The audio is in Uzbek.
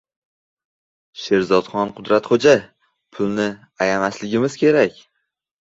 Sherzodxon Qudratxo‘ja: «Pulni ayamasligimiz kerak»